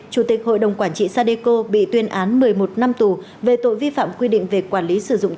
chủ tịch hội đồng quản trị sadeco bị tuyên án một mươi một năm tù về tội vi phạm quy định về quản lý sử dụng